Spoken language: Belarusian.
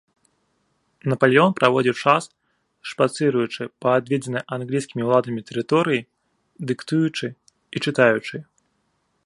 Напалеон праводзіў час, шпацыруючы па адведзенай англійскімі ўладамі тэрыторыі, дыктуючы і чытаючы.